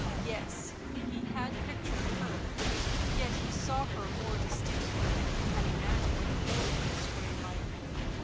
Yes— he had pictured her; yet he saw her more distinctly than he had imagined he would in this grey light.